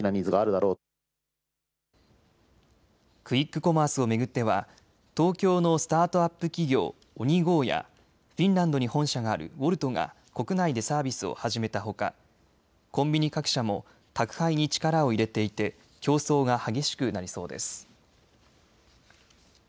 クイックコマースを巡っては東京のスタートアップ企業、ＯｎｉＧＯやフィンランドに本社があるウォルトが国内でサービスを始めたほか、コンビニ各社も宅配に力を入れていて競争が激しくなりそうです。